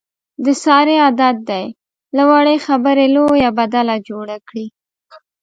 د سارې عادت دی، له وړې خبرې لویه بدله جوړه کړي.